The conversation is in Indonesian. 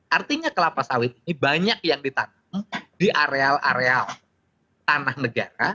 artinya kelapa sawit ini banyak yang ditanam di areal areal tanah negara